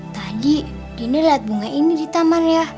tadi dina liat bunga ini di tamarnya